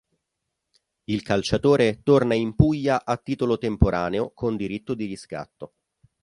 Il calciatore torna in Puglia a titolo temporaneo con diritto di riscatto.